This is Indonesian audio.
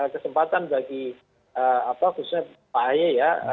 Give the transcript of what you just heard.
kesempatan bagi khususnya pak ahy ya